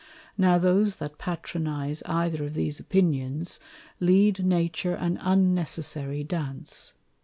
Now those that patronize either of these Opinions, lead Nature an unnecessary Dance.